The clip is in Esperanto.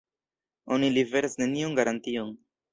Oni liveras neniun garantion.